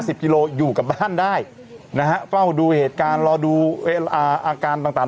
กิโลอยู่กับบ้านได้นะฮะเฝ้าดูเหตุการณ์รอดูอ่าอาการต่างต่าง